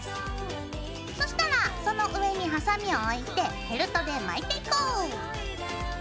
そしたらその上にハサミを置いてフェルトで巻いていこう。